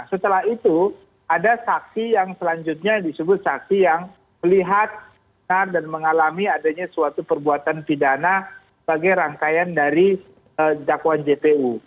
setelah itu ada saksi yang selanjutnya disebut saksi yang melihat dan mengalami adanya suatu perbuatan pidana sebagai rangkaian dari dakwaan jpu